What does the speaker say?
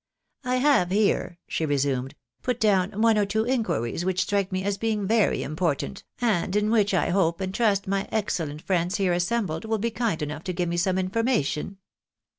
" I have here," she resumed, " put down one or two inquiries which strike me as being very important, and in which I hope and trust my excellent friends here assembled will be kind enough to give me some information."